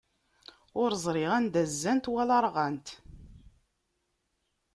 Ur iẓri anda zzant wala ṛɣant.